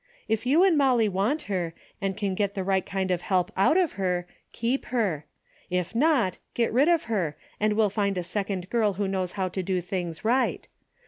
If you and Molly want her, and can get the right kind of help out of her, keep her. If not, get rid of her and we'll find a second girl who knows how to do things right.